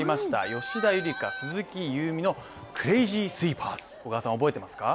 吉田夕梨花、鈴木夕湖のクレイジースイーパーズ覚えてますか。